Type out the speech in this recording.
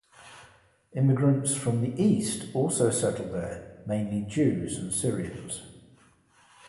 Immigrants from the East also settled there, mainly Jews and Syrians.